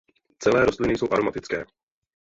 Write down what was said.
Celé rostliny jsou aromatické.